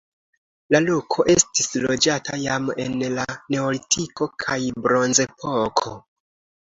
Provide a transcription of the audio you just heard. La loko estis loĝata jam en la neolitiko kaj bronzepoko.